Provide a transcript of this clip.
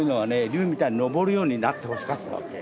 龍みたいに昇るようになってほしかったわけ。